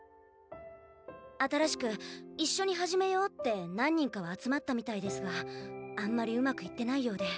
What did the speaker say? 新しく一緒に始めようって何人かは集まったみたいですがあんまりうまくいってないようで。